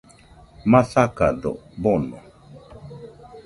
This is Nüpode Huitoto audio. Masakado bono